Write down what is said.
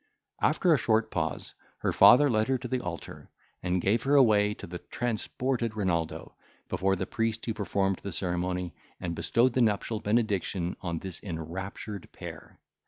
After a short pause, her father led her to the altar, and gave her away to the transported Renaldo, before the priest who performed the ceremony, and bestowed the nuptial benediction on this enraptured pair.